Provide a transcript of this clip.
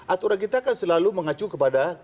aturan kita kan selalu mengacu kepada